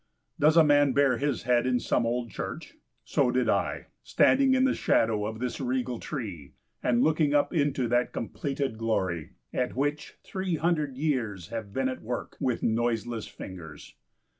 Does a man bare his head in some old church? So did I, standing in the shadow of this regal tree, and looking up into that completed glory, at which three hundred years have been at work with noiseless fingers!